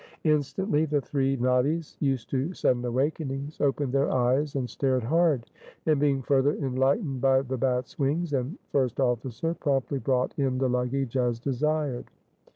Instantly the three noddies, used to sudden awakenings, opened their eyes, and stared hard; and being further enlightened by the bat's wings and first officer, promptly brought in the luggage as desired.